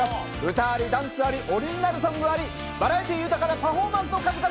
歌ありダンスありオリジナルソングありバラエティー豊かなパフォーマンスの数々お楽しみ下さい！